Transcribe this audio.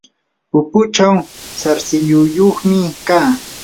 pupuchaw sarsilluyuqmi kaa.